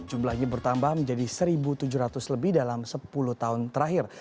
jumlahnya bertambah menjadi satu tujuh ratus lebih dalam sepuluh tahun terakhir